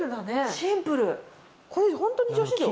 シンプル。